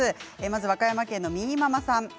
和歌山県の方です。